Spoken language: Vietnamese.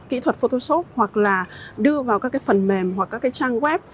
kỹ thuật photoshop hoặc là đưa vào các cái phần mềm hoặc các cái trang web